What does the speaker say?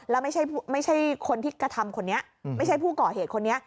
แล้วไม่ใช่คนที่กระทำคนนี้ไม่ใช่ผู้ก่อเหตุคนนี้